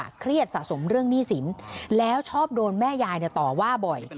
เครียดสะสมเรื่องหนี้สินแล้วชอบโดนแม่ยายต่อว่าบ่อย